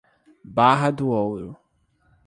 Barra do Ouro